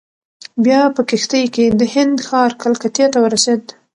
بیا په کښتۍ کې د هند ښار کلکتې ته ورسېد.